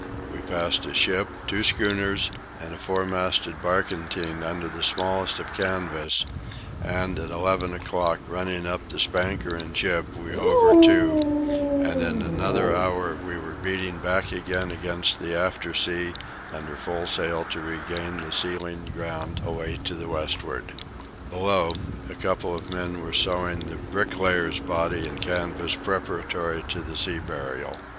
We passed a ship, two schooners, and a four masted barkentine under the smallest of canvas, and at eleven o'clock, running up the spanker and jib, we hove her to, and in another hour we were beating back again against the aftersea under full sail to regain the sealing ground away to the westward. Below, a couple of men were sewing the "bricklayer's" body in canvas preparatory to the sea burial.